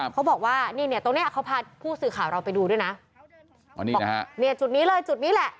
เขาบอกว่าตรงนี้เขาพาผู้สื่อข่าวเราไปดูด้วยนะจุดนี้เลยจุดนี้แหละ